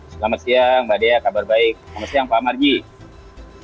selamat siang mbak dea kabar baik selamat siang pak marji